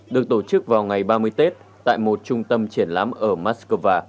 được tổ chức vào ngày ba mươi tết tại một trung tâm triển lãm ở moscow